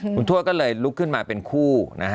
คุณทวดก็เลยลุกขึ้นมาเป็นคู่นะฮะ